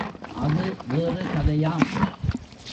அது வேறு கதையாம்.